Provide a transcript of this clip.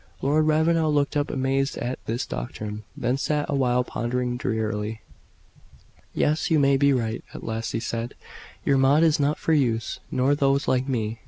Lord Ravenel looked up amazed at this doctrine, then sat awhile pondering drearily. "Yes, you may be right," at last he said. "Your Maud is not for me, nor those like me.